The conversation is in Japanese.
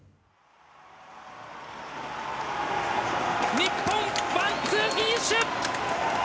日本ワンツーフィニッシュ！